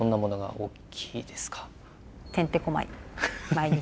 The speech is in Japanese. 毎日。